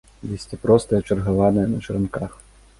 Лісце простае, чаргаванае, на чаранках.